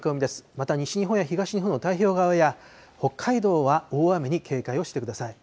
また西日本や東日本の太平洋側や北海道は大雨に警戒をしてください。